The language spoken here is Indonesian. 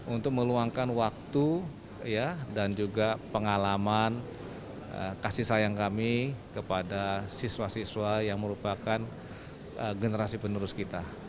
untuk meluangkan waktu dan juga pengalaman kasih sayang kami kepada siswa siswa yang merupakan generasi penerus kita